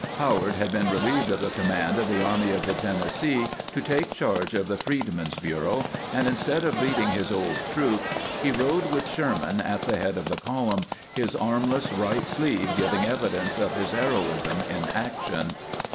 Howard had been relieved of the command of the Army of the Tennessee to take charge of the Freedmen's Bureau, and instead of leading his old troops he rode with Sherman at the head of the column, his armless right sleeve giving evidence of his heroism in action.